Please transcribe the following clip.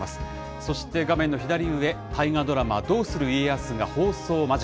そして、画面の左上、大河ドラマ、どうする家康が放送間近。